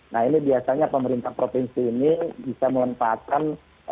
nah ini biasanya pemerintah provinsi ini bisa melemparkan